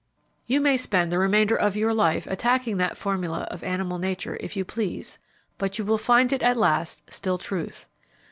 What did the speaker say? You may spend the remainder of your life attacking that formula of animal nature if you please, but you will find it at last still truth.